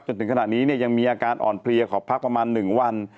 จนถึงขณะนี้ยังมีอาการอ่อนเพลียขอพักประมาณ๑วัน